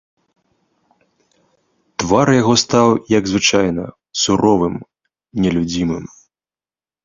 Твар яго стаў, як звычайна, суровым, нелюдзімым.